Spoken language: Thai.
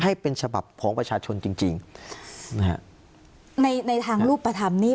ให้เป็นฉบับของประชาชนจริงนะครับในในทางรูปภารมณ์นี้